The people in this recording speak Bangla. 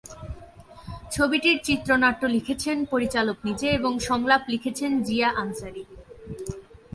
ছবিটির চিত্রনাট্য লিখেছেন পরিচালক নিজে এবং সংলাপ লিখেছেন জিয়া আনসারী।